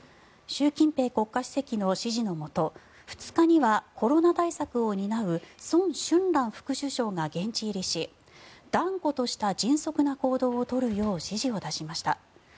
習近平国家主席の指示のもと２日にはコロナ対策を担うソン・シュンラン副首相が現地入りし断固とした迅速な行動を取るよう指示を出しました。